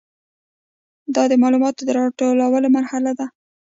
دا د معلوماتو د راټولولو مرحله ده.